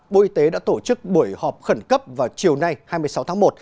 bộ y tế đã tổ chức buổi họp khẩn cấp vào chiều nay hai mươi sáu tháng một